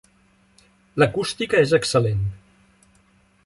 L'acústica és excel·lent.